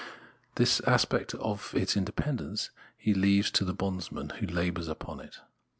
The aspect of its independence he leaves to the bondsman, who labours upon it.